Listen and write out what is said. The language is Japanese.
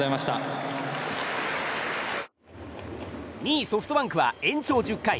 ２位、ソフトバンクは延長１０回。